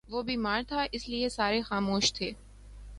وہ بیمار تھا، اسی لئیے سارے خاموش تھے